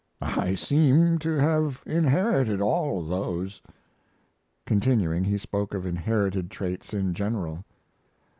I seem to have inherited all those." Continuing, he spoke of inherited traits in general.